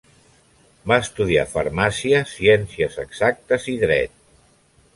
Va estudiar Farmàcia, Ciències Exactes i Dret.